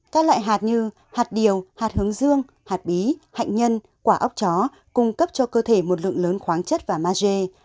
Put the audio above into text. các loại hạt như hạt điều hạt hướng dương hạt bí hạnh nhân quả ốc chó cung cấp cho cơ thể một lượng lớn khoáng chất và mage